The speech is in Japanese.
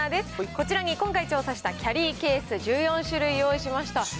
こちらに今回調査したキャリーケース１４種類用意しました。